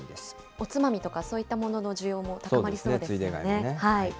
おつまみとかそういったもののニーズも高まりそうですね。